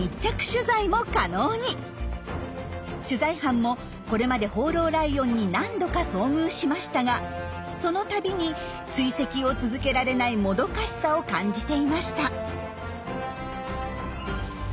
取材班もこれまで放浪ライオンに何度か遭遇しましたがそのたびに追跡を続けられないもどかしさを感じていました。